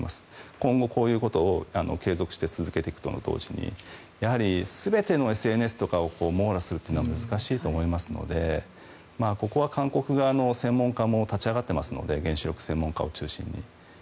今後、こういうことを継続していくのと同時にやはり、全てのＳＮＳとかを網羅するっていうのは難しいと思いますのでここは韓国側の専門家も立ち上がっていますので原子力専門家を中心に。